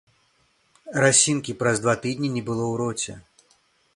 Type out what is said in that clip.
Расiнка праз два тыднi не было ў роце...